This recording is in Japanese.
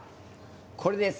これです！